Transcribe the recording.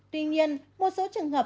tuy nhiên một số trường hợp